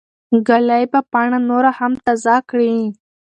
ږلۍ به پاڼه نوره هم تازه کړي.